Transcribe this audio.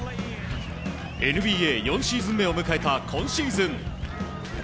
ＮＢＡ４シーズン目を迎えた今シーズン。